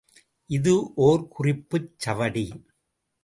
இது ஒர் குறிப்புச் சவடி.